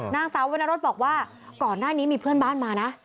นางสาววรรณรสบอกว่าก่อนหน้านี้มีเพื่อนบ้านมานะ